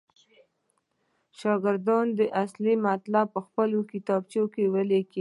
شاګردان دې اصلي مطلب پخپلو کتابچو کې ولیکي.